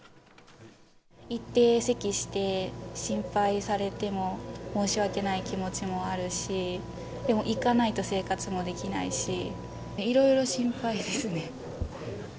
行って、せきして、心配されても申し訳ない気持ちもあるし、でも、行かないと生活もできないし、いろいろ心配ですね。